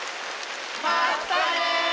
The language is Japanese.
まったね！